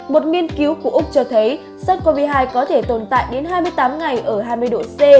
một nghiên cứu của úc cho thấy sars cov hai có thể tồn tại đến hai mươi tám ngày ở hai mươi độ c